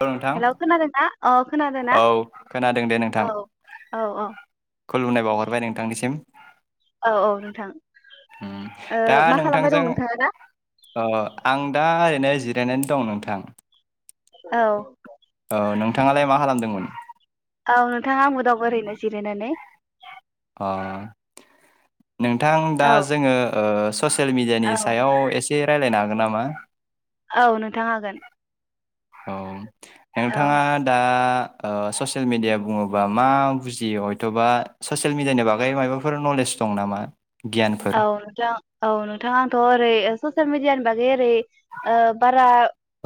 हेल नोंथां हेलौ खोनादोंना अ खोनादोंना औ खोनादों दे औ नोंथां औ औ खुलुमनाय बावहरबाय नोंथांनिसिम औ औ नोंथां उम ओ दा मा खालामबाय दं नोंथांजों नोंथाङा दा अ आं दा ओरैनो जि जिरायनानै दं नोंथां औ औ नोंथाङालाय मा खालामदोंमोन औ नोंथाङा आंबो दं ओरैनो जिरायनानै अ नोंथां दा औ जोङो ओ ससियेल मिडियानि औ सायाव एसे एसे रायज्लायनो हागोन नामा औ नोंथां हागोन औ औ नोंथाङा दा ओ ससियेल मिडिया बुङोबा मा बुजियो हयथबा ससियेल मिडियानि बागै माबाफोर नलेज दं नामा गियानफोर औ नोंथां औ नोंथां आंथ ओरै स ससियेल मिडियानि बागै ओरै ओ बारा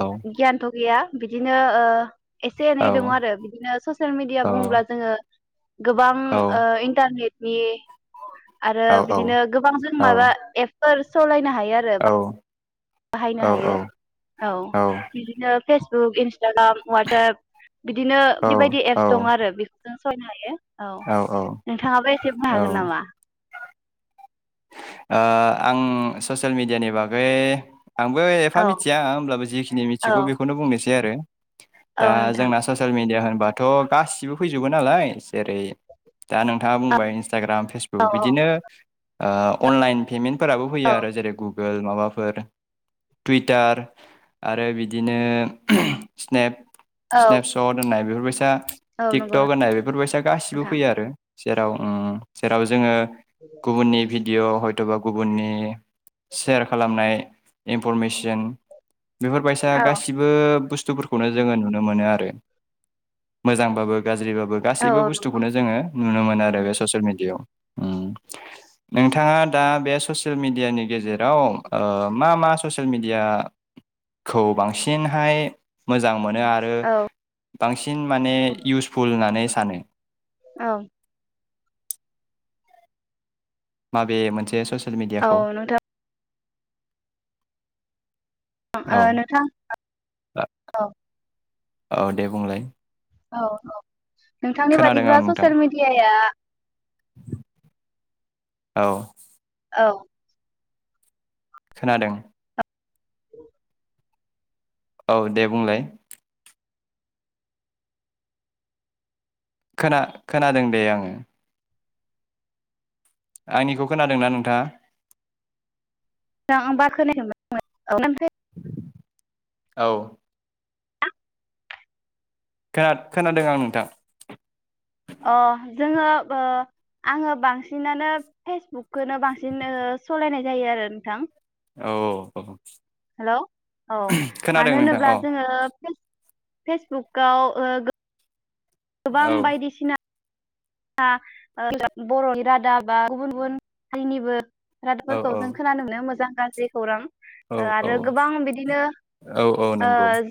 औ गियानथ गैया बिदिनो ओ एसे औ एनै दङ आरो बिदिनो ससियेल मिडिया औ बुङोब्ला जोङो गोबां औ इन्टारनेट बे आरो औ बिद बिदिनो गोबां जों औ माबा एफ फोर सलायनो हायो हायो आरो औ बाहायनो औ हायो औ औ बिदिनो फेसबुक इनस ताग्राम वाटसाप बिदिनो बेबादि औ एप्स दं आरो बे जों सहायनो हायो औ नोंथाङाबो एसे बुं हागोन नामा ओ आं ससियेल मेडियानि बागै आंबो एफा औ मिथिया होमब्लाबो जिखिनि औ मिथिगौ बेखौनो बुंनोसै दे आरो औ दा नोंथां जोंना ससियेल मिडिया होन होनबाथ' गासिबो फैजोबगोन नालाय जेरै दा नोंथाङा औ बुंबाय इसटाग्राम फेसबुक बिदिनो ओ अनलाइन पेमेन्ट फोराबो फैयो औ आरो जेरै गुग गुगोल माबाफोर टुइटार आरो बिदिनो [unintelligible] स्नेप औ स्नेपसट दोननाय बेफोर बैसा औ नंगौ टिकटक होनाय बेफोरबायदि गासिबो नोंथां फैयो आरो जेराव ओ जेराव जोङो गुबुननि [unintelligible] भिडिअ हयथ'बा गुबुननि सेयार खालामनाय इनफरमेसन बेफोरबायसा औ गासिबो बुस्थु बुस्थुफोरखौनो जोङो नुनो मोनो आरो मोजांबाबो गाज्रिबाबो औ गासैबो औ नंगौ बुस्थुखौनो जोङो नुनो मोनो आरो बे ससेयेल मिडियायाव नोंथाङा दा बे ससियेल मिडियानि गेजेराव ओ मा मा ससियेल मिडियाखौ बांसिनहाय मोजां मोनो आरो औ बांसिन बांसिन माने इउसफुल होननानै सानो औ माबे मोनसे सस औ नोंथां ओ औ नोंथां औ औ दे बुंलाय औ औ नोंथांनि खोनादों आं बादिब्ला नोंथां ससियेल मिेडियाया औ औ खोनादों [inaudible] औ दे बुंलाय खोना खोनादों दे आङो आंनिखौ खोनादोंना नोंथाङा नबा खोनायमोन औ [inaudible] ओम [inaudible] फ्राय औ खोना खोनादों आं नोंथां अ जोङो ओ आङो बांसिनानो फेसबुकखौनो बांसिन सालायनाय जायो आरो नोंथां औ औ हेल' औ खोनादों मानो नोंथां होनोब्ला औ जोङो फेस फेसबुकाव ओ गो औ गोबां बायदिसिना [unintelligible] बर'नि रादाब बा गुबुन गुबुन हारिनिबो औ रादाबफोरखौ औ जों खोना नुनो मोजां गाज्रि खौरां औ ओ आरो औ गोबां बिदिनो औ औ नंगौ ओज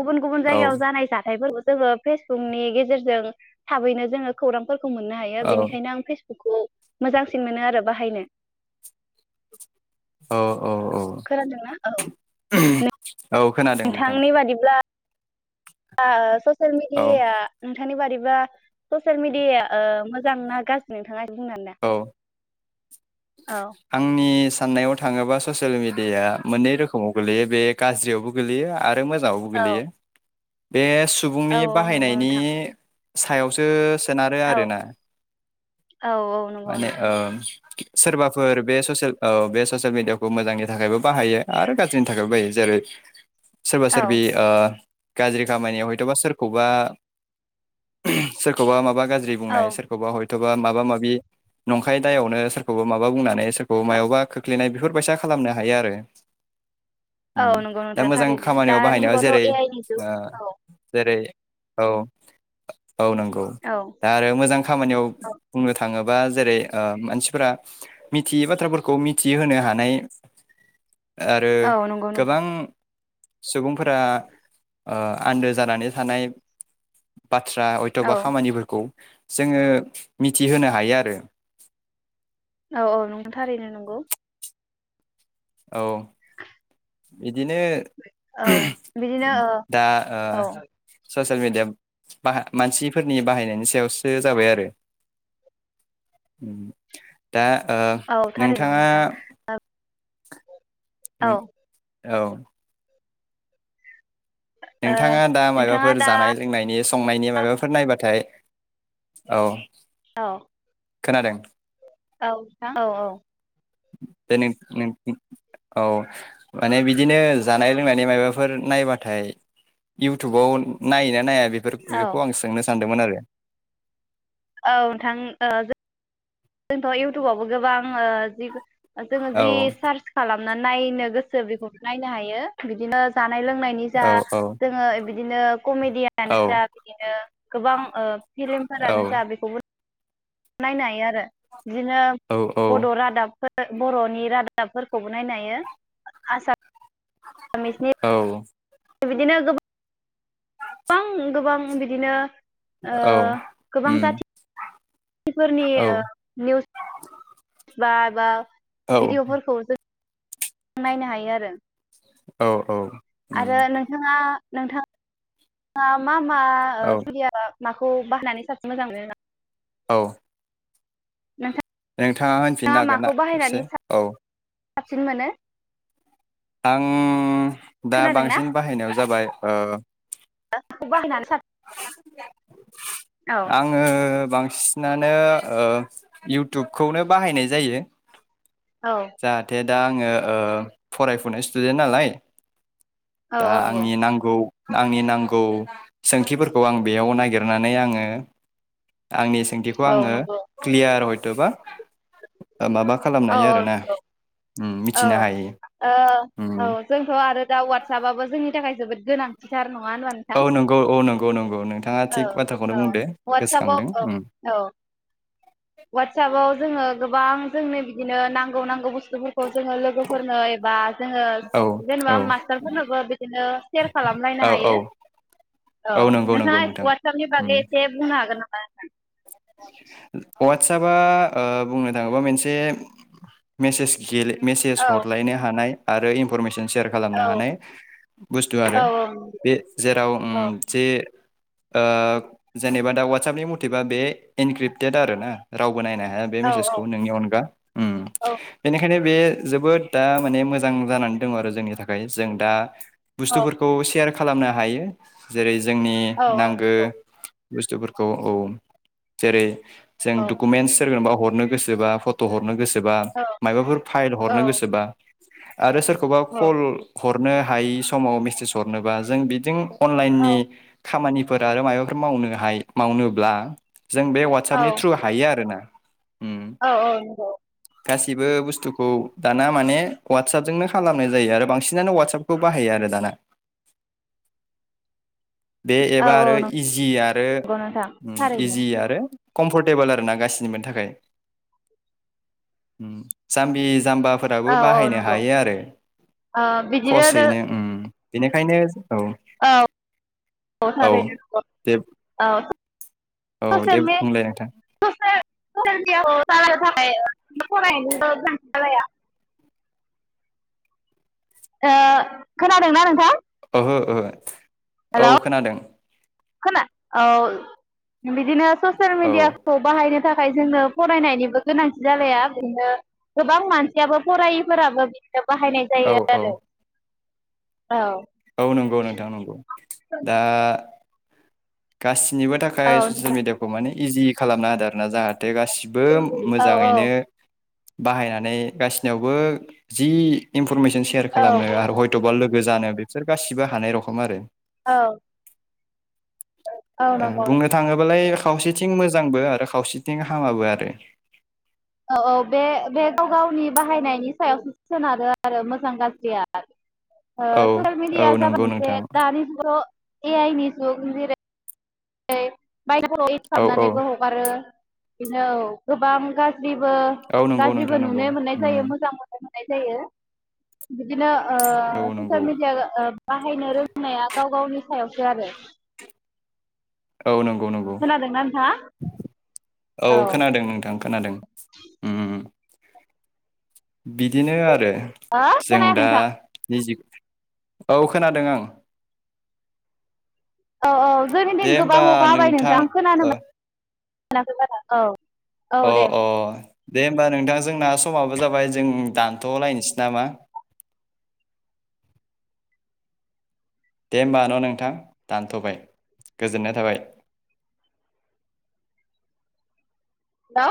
गुबुन गुबुन औ जायगायाव जानाय जाथायफोर जोङो फेसबुकनि गेजेरजों थाबैनो जोङो खौरां फोर खौ मोननो हायो औ बेनिखायनो आं फेस खौ मोजांसिन मोनो आरो बाहायनो औ औ औ खोनादोंना औ नों औ खोनादों नोंथां नोंथांनि बादिब्ला आ सस ससियेल औ मिदियाया नोंथांनि बादि [unintelligible] ससेल मिडियाया मोजां ना गारजि नोंथाङा बुंनानै औ औ आंनिस साननायाव थाङोबा ससियेल मिडियाया मोननै रोखोमाव गोलैयो बे गाज्रियावबो गोलैयो आरो ओमफ्राय मोजाङावबो गोग्लैयो औ बे औ सुबुंनि नंगौ बाहायनायनि नोंथां सायावसो सोनारो आरो औ आरोना औ औ नंगौ माने नोंथां ओ सोरबाफोर बे ससेनल ओ बे ससियेल मिडियाखौ मोजांनि थाखायबो बाहायो आरो गाज्रिनि थाखायबो बाहायो जेरै सोरबा औ सोरबि ओ गाज्रि खामानियाव हयथबा सोरखौबा सोरखौबा माबा गाज्रि औ बुंनाय सोरखौबा हय गोबा माबा माबि नंखाय दायावनो सोर मब' माबा बुंनानै स अब औ मायावबा खोख्लैनाय बेफोर फैसा खालामनो हायो आरो औ उम नंगौ दा नोंथां मोजां थारैनो खामानियाव दानि बाहायनायाव जुगावथ' जेरै ए आइ नि जुग ओ औ जेरै औ औ नोंगौ औ दा आरो मोजां खामानियाव औ बुंनो थाङो बा जेरै ओ मानसिफोरा मिथियै बाथ्राफोरखौ मिथिहोनो हानाय आरो औ नंगौ नोंथां गोबां सुबुंफोरा ओ आन्दो जानानै थानाय बाथ्रा औ अयथबा खामानिफोरखौ जोङो मिथिहोनो हायो आरो औ औ नंगौ थारैनो नंगौ औ [unintelligible] ए बिदिनो औ बिदिनो ओ दा ओ औ ससेयेल मिडिया बाह मानसिफोरनि बाहायनायनि सायावसो जाबाय आरो उम दा ओ औ थारैनो नोंथाङा नंगौ नोंथां औ नों औ ओ नोंथाङा दा नोंथाङा मायाबाफोर दा जानाय लोंनायनि स संनायनि माबाफोर नायबाथाय औ अ खोनादों औ नो थ औ औ बे नो नोंनि औ माने बिदिनो जानाय लोंनायनि माबाफोर नायबाथाय इउटुबाव नायोना नाया बेफोर औ बेखौ आंङो सोंनो स सानदोंमोन आरो औ नोंथां ओ ज जोंथ इउटुबावबो गोबां ओ जि ओ जोङो औ जि सारच खालाम ना नायनो गोसो बेखौबो नायनो हायो बिदिनो जा जानाय लोंनायनि जा औ औ जोङो इब बिदिनो औ कमेडियानो जा बिदिनो गोबां ओ फिलिम औ फोरानो जा बेखौबो नायनो हायो आरो बिदिनो बड औ रादाबफोर बर'नि रादाबफोरखौबो नायनो हायो आसा औ बिदिनो गोब गोबां गोबां बिदिनो ओ औ गोबां उम जाथि बेफोरनि औ ओ निउस बा बा औ भिदिअफोरखौ नायनो हायो आरो औ औ उम आरो नोंथाङा नोंथाङा मा मा ओ औ [unintelligible] माखौ बाहानानै साबसिन मोजां मोनो नों औ नाथा नोंथाङा होनफिन हागोन ना खेबसे औ साबसिन मोनो आं दा खोनादोंना? बांसिन बाहायनायाव जाबाय ओ माखौ बाहायनानै साब औ आङो बां सिनानो ओ इउटुबखौनो बाहायनाय जायो औ जाहाथे दा आङो ओ फरायफुनाय स्टुदेन्ट नालाय औ दा औ नंगौ आंनि नांगौ आंनि नांगौ सोंथिफोरखौ आं बेयाव नागिरनानै आङो आंनि सोंथिखौ औ आङो नंगौ क्लियार हय बा [unintelligible] माबा खालामनो औ हायो औ आरोना नंगौ उम औ मिथिनो हायो ओ उम औ जोंथ आरो दा वाटसपाबबाबो जोंनि थाखाय जोबोद गोनांथि थार न नंङा होनबा नोंथां औ नंगौ औ नंगौ नंगौ नोंथाङा औ थिग बाथ्राखौनो औ बुंदो वाटसाबाव गोसोखांदों औ उम औ वाटसाबाव जोङो गोबां जोंनो बिदिनो नांगौ नांगौ बुस्थु खौ जोङो लोगोफोर फोरनो एबा जोङो औ जेनेबा औ मास्टारफोरनोबो बिदिनो सेयार खालामलायनो औ औ हायो औ नंगौ नंगौ नोंथाङा नोंथां वाटसाप नि बागै एसे बुंनो हागोन नामा नोंथां? वाटसापआ ओ बुंनो थाङोबा मोनसे मेसेज गेले मेसेज औ हरलायनो हानाय आरो इनफरमेसन सेयार औ खालामनो हानाय बुस्थु औ आरो बे जेराव उम औ जे ओ जेनेबा दा वाटसापनि मथेबा बे इनक्रिप्टेड आरो ना राव बो नायनो हाया बे औ औ मेसेसखौ नोंनि अनगा औ ओम बे जोबोद दा माने मोजां जानानै दङ आरो जोंनि थाखाय जों दा औ बुस्थुफोरखौ सेयार खालामनो हायो जेरै जोंनि औ नांगो बुस्थुफोरखौ औ जेरै जों औ डकुमेन्टस सोरनोबा हरनो गोसोबा फट' हर हरनो गोसोबा मायबाफोर फाइल औ हरनो गोसोबा आरो सोरखौबा कल हर हरनो हायि समाव मेसेज हरनोबा जों बिदि अनलाइननि खामानि फोरा आरो माबाफोर मावनो हायो मावनोब्ला जों बे वाटसापनि थ्रु हायो आरो औ औ नंगौ गासैबो बुस्थुखौ दाना माने वाटसापजोंनो खालामनाय जायो आरो बांसिनानो वाटसापखौ बाहायो आरो दाना बे औ एबा आरो औ इजि आरो नंगौ नोंथां थारैनो इजि आरो कम्फर्टेबोल आरो ना गासिनिबो थाखाय उम जामबि जाम्बाफोराबो औ औ बाहायनो नंगौ हायो आरो ओ बिदिनो खसयैनो औ उम बेनिखायनो औ औ औ थारैनो नंगौ दे औ औ दे ससियेल मे बुंलाय नोंथां ससियेल मिडियाखौ [unintelligible] थाखाय [unintelligible] ओ खोनादोंना नोंथां ओहो ओहो औ हेलौ खोनादों खोना औ बिदिनो ससियेल औ मिडियाखौ बाहायनो थाखा थाखाय जोंङो फरायनायनिबो गोनांथि जालाया बिदिनो गोबां मानसियाबो फरायैफोराबो। बाहायनाय औ जायो औ आरो औ नंगौ नोंथां नंगौ दा गास निबो औ थाखाय ससियेल मिडियाखौ माने इजि खालामना होदों आरो ना जाहा थे गासिबो औ मोजाङैनो बाहायनानै गासिनियावबो जि इम इनफरमेसन सेयार औ खालामनो आरो हयथबा लोग गोजानो बिसोर गासिबो हानाय रखम आरो औ औ ओ नंगौ बुंनो थाङोबालाय खावसेथिं मोजांबो आरो खावसेथिं हामाबो आरो औ औ बे बे गाव गावनि बाहायनायनि सायावसो सोनारो आरो मोजां गाज्रिया ओ औ ससियेल औ मिडिया जाबाय नंगौ मोनसे नोंथां दानि जुगाव ए आइ नि जुग जेरै [unintelligible] इउस औ औ खालामाबनानैबो हगारो बेनो गोबां गा ज्रिबो औ नंगौ नोंथां गाज्रिबो नंगौ नुनो मोननाय जायो उम मोजां मोननाय [unintelligible] मोननाय जायो बिदिनो ओ औ नंगौ ससियेल मिडिया ओ बाहायनो रोंनाया गाव गावनि सायावसो आरो औ नोंगौ नंगौ नंगौ खोनादोंना नोंथाङा औ खोनादों नोंथां खोनादों [inaudible] बिदिनो आरो हो जों खोनायाखै दा नोंथां निजि औ खोनादों आं औ औ जोंनि दिन दे गोबां होमबा हखा हाबाय नोंथां खोनानो अ मोन मोनाखै बारा औ औ अ दे अ दे होमबा नोंथां जोंना समाबो जाबाय जों दानथ'लायनोसै नामा दे होमबा न नोंथां दानथबाय गोजोननाय थाबाय हेलौ